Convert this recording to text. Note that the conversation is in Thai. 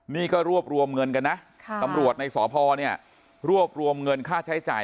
นี่ก็รวบรวมเงินกันนะตำรวจในสพเนี่ยรวบรวมเงินค่าใช้จ่าย